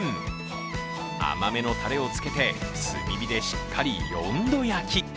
甘めのたれをつけて、炭火でしっかり４度焼き。